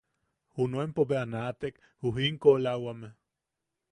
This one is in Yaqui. Junuenpo bea naatek ju jinkoʼolawame;.